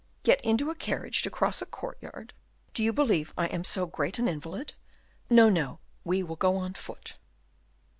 "Get into a carriage to cross a courtyard! do you believe I am so great an invalid? No, no, we will go on foot."